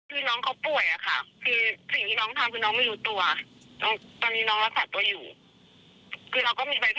คือน้องเขาป่วยคือสิ่งที่น้องทำคือน้องไม่รู้ตัว